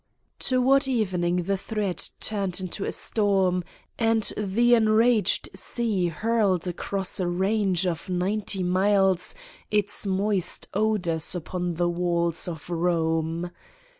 Toward evening the threat turned into a storm and the enraged sea hurled across a range of ninety miles its moist odors upon the walls of Kome.